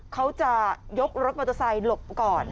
เขาจะยกรถมาตะไซล์หลบก่อน